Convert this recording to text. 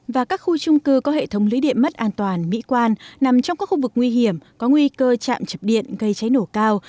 và các khu trung cư có hệ thống lưới điện mất an toàn mỹ quan nằm trong các khu vực nguy hiểm có nguy cơ chạm chập điện gây cháy nổ cao